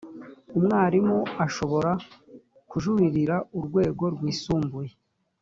umwarimu ashobora kujuririra urwego rwisumbuye